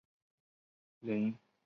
林邦桢之子。